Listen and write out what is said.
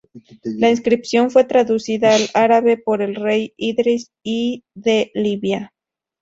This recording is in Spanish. La inscripción fue traducida al árabe por el rey Idris I de Libia.